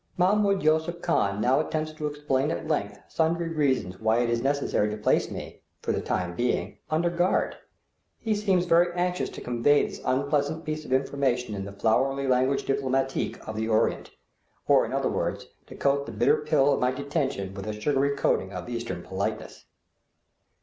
Mahmoud Yusuph Khan now attempts to explain at length sundry reasons why it is necessary to place me, for the time being, under guard. He seems very anxious to convey this unpleasant piece of information in the flowery langue diplomatique of the Orient, or in other words, to coat the bitter pill of my detention with a sugary coating of Eastern politeness.